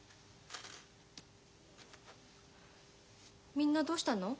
みんなどうしたの？